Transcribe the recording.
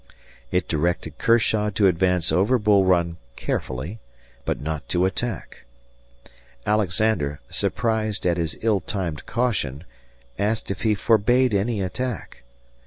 It directed Kershaw to advance over Bull Run carefully, but not to attack. Alexander, surprised at his ill timed caution, asked if he forbade any attack.